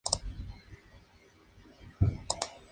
Crítica del discurso historiográfico.